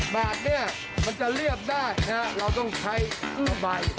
บาทเนี่ยมันจะเรียบได้เราต้องใช้ผ้าใบ